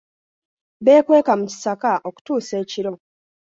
Beekweka mu kisaka okutuusa ekiro.